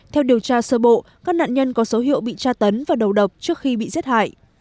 theo điều tra sơ bộ các nạn nhân có dấu hiệu bị tra tấn và đầu độc trước khi bị giết hại